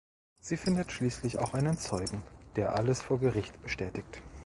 Sie findet schließlich auch einen Zeugen, der das alles vor Gericht bestätigt.